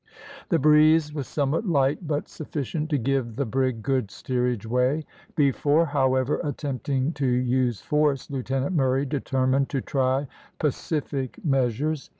The breeze was somewhat light, but sufficient to give the brig good steerage way. Before, however, attempting to use force, Lieutenant Murray determined to try pacific measures.